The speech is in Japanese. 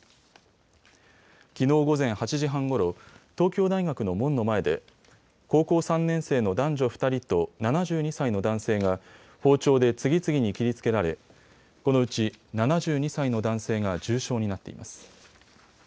きのう午前８時半ごろ、東京大学の門の前で高校３年生の男女２人と７２歳の男性が包丁で次々に切りつけられ、このうち７２歳の男性が重傷になっています。